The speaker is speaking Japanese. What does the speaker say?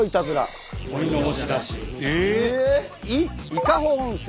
「伊香保温泉」。